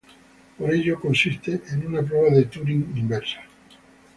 Por ello, consiste en una prueba de Turing inversa.